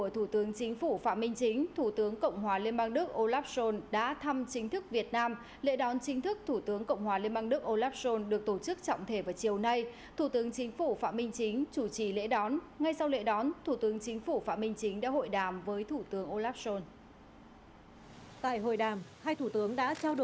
thủ tướng chính phủ phạm minh chính thủ tướng cộng hòa liên bang đức olaf schol đã thăm chính thức việt nam lễ đón chính thức thủ tướng cộng hòa liên bang đức olaf schol được tổ chức trọng thể vào chiều nay thủ tướng chính phủ phạm minh chính chủ trì lễ đón ngay sau lễ đón thủ tướng chính phủ phạm minh chính đã hội đàm với thủ tướng olaf schol